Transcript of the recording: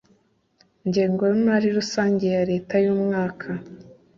ngengo y imari rusange ya Leta y umwaka